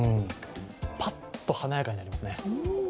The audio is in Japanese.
パッと華やかになりますね。